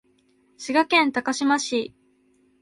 滋賀県高島市